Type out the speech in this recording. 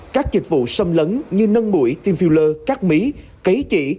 các dịch vụ xâm lấn như nâng mũi team filler các mí cấy chỉ